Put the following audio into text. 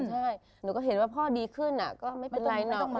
หนูก็เห็นว่าพ่อดีขึ้นไม่เป็นไร